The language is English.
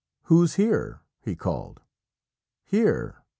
"Who's here?" he called. "_Here!